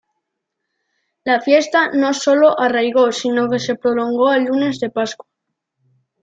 La Fiesta no solo arraigó sino que se prolongó al Lunes de Pascua.